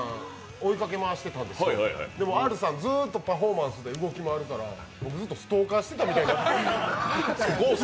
追いかけ回してたんですよ、Ｒさん、ずっとステージで動き回るから僕ずっとストーカーしていたみたいになって。